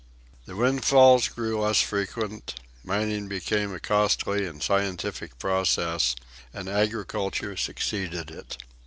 The windfalls grew less frequent, mining became a costly and scientific process, and agriculture succeeded it.